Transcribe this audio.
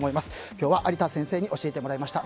今日は有田先生に教えていただきました。